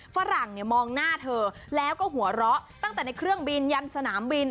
ฝรั่งเนี่ยมองหน้าเธอแล้วก็หัวเราะตั้งแต่ในเครื่องบินยันสนามบิน